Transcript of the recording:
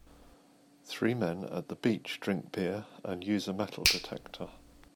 Three men at the beach drink beer and use a metal detector.